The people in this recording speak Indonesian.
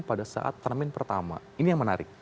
pada saat ternamin pertama ini yang menarik